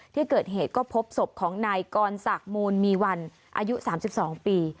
ที่เกิดเหตุก็พบส่มของนายกอนศักดิ์โมนมีวันอายุสามสิบสองปี